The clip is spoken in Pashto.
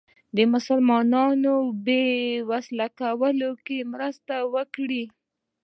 د مسلمانانو بې وسلو کولو کې مرسته وکړي.